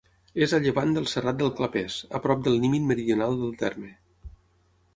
És a llevant del Serrat del Clapers, a prop del límit meridional del terme.